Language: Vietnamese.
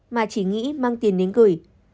mà chỉ nghĩ mang tiền đến gửi